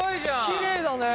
きれいだね。